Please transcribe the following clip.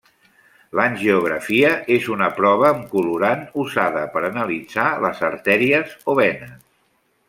L'angiografia és una prova amb colorant usada per a analitzar les artèries o venes.